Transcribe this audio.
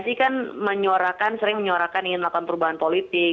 psi kan menyorakan sering menyorakan ini delapan perubahan politik